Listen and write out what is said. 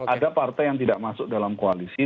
ada partai yang tidak masuk dalam koalisi